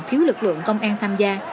khiếu lực lượng công an tham gia